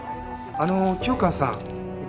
あの清川さん